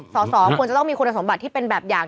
สสควรจะต้องมีคุณสมบัติที่เป็นแบบอย่าง